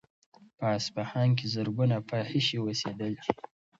په اصفهان کې زرګونه فاحشې اوسېدلې.